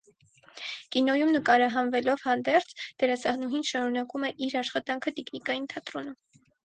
Կինոյում նկարահանվելով հանդերձ՝ դերասանուհին շարունակում է իր աշխատանքը տիկնիկային թատրոնում։